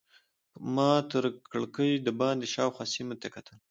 ما تر کړکۍ دباندې شاوخوا سیمو ته کتل.